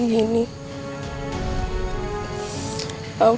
bakal berakhir kayak gini